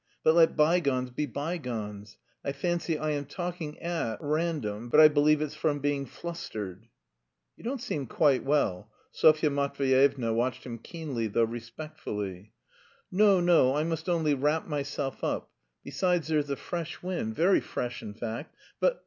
But let bygones be bygones. I fancy I am talking at random, but I believe it's from being flustered." "You don't seem quite well." Sofya Matveyevna watched him keenly though respectfully. "No, no, I must only wrap myself up, besides there's a fresh wind, very fresh in fact, but...